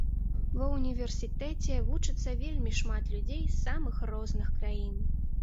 Ва універсітэце вучыцца вельмі шмат людзей з самых розных краін.